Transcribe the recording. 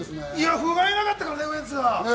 ふがいなかったからね、ウエンツが。